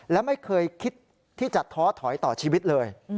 และไม่เคยคิดที่จะท้อถอยต่อชีวิตเลย